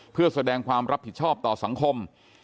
เพื่อแสดงความรับผิดชอบต่อสังคม